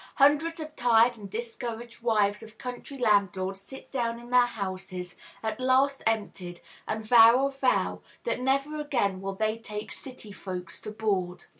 Hundreds of tired and discouraged wives of country landlords sit down in their houses, at last emptied, and vow a vow that never again will they take "city folks to board."